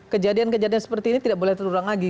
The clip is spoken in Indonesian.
kejadian kejadian seperti ini tidak boleh terulang lagi